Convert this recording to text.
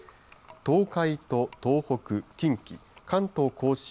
東海と東北、近畿、関東甲信